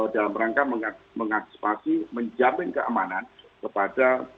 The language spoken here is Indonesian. dalam rangka mengantisipasi menjamin keamanan kepada